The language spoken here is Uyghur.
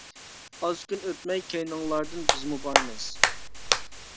ئاز كۈن ئۆتمەي كەينىڭلاردىن بىزمۇ بارىمىز!